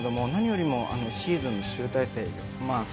何よりもシーズンの集大成。